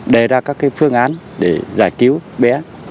đề ra các phương án để giải cứu bé